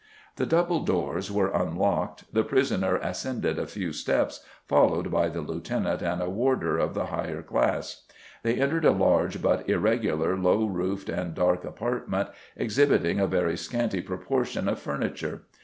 The double doors were unlocked, the prisoner ascended a few steps, followed by the lieutenant and a warder of the higher class. They entered a large, but irregular, low roofed and dark apartment, exhibiting a very scanty proportion of furniture....